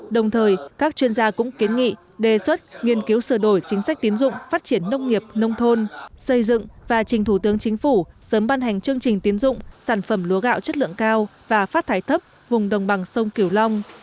đồng thời các chuyên gia cũng kiến nghị đề xuất nghiên cứu sửa đổi chính sách tiến dụng phát triển nông nghiệp nông thôn xây dựng và trình thủ tướng chính phủ sớm ban hành chương trình tiến dụng sản phẩm lúa gạo chất lượng cao và phát thải thấp vùng đồng bằng sông kiểu long